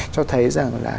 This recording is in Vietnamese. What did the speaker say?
cho thấy rằng là